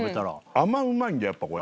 甘うまいんだよやっぱこれ。